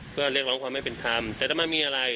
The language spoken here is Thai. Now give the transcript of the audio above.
เพื่อเรียกร้องความไม่เป็นธรรมแต่ถ้ามันมีอะไร